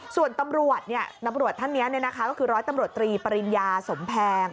ส่วนตำรวจตำรวจท่านนี้ก็คือร้อยตำรวจตรีปริญญาสมแพง